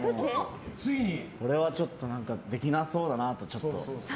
俺はちょっとできなさそうだなと。